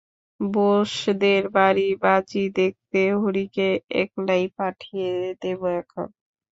বোসদের বাড়ি বাজি দেখতে হরিকে একলাই পাঠিয়ে দেব এখন।